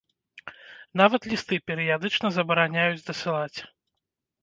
Нават лісты перыядычна забараняюць дасылаць.